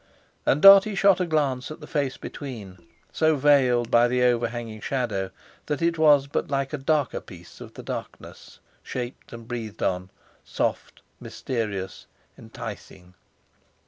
And Dartie shot a glance at the face between, so veiled by the overhanging shadow that it was but like a darker piece of the darkness shaped and breathed on; soft, mysterious, enticing.